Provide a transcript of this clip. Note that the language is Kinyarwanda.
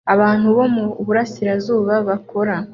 Abantu bo mu burasirazuba bakora